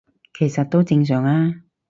其實都正常吖